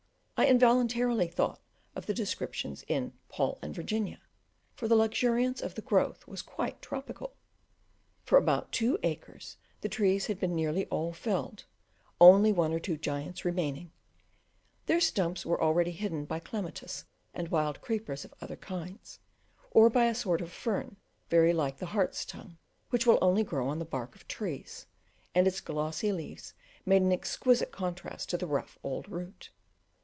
I involuntarily thought of the descriptions in "Paul and Virginia," for the luxuriance of the growth was quite tropical. For about two acres the trees had been nearly all felled, only one or two giants remaining; their stumps were already hidden by clematis and wild creepers of other kinds, or by a sort of fern very like the hart's tongue, which will only grow on the bark of trees, and its glossy leaves made an exquisite contrast to the rough old root.